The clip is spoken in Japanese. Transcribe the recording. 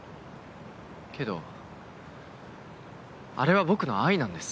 けどあれは僕の愛なんです。